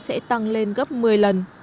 sẽ tăng lên gấp một mươi lần